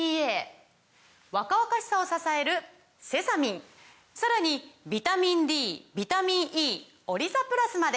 若々しさを支えるセサミンさらにビタミンＤビタミンＥオリザプラスまで！